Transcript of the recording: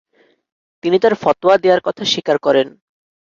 তিনি তার ফতোয়া দেয়ার কথা স্বীকার করেন।